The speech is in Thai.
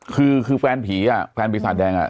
คือแฟนผีสาดแดง